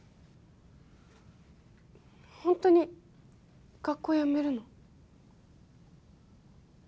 ホントに学校やめるの？